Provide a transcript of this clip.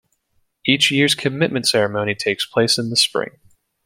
Each year's commitment ceremony takes place in the spring.